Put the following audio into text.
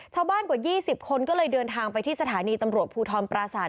กว่า๒๐คนก็เลยเดินทางไปที่สถานีตำรวจภูทรปราศาสต